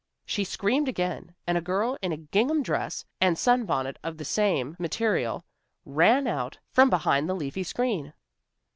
She screamed again, and a girl in a gingham dress and sunbonnet of the same material, ran out from behind the leafy screen.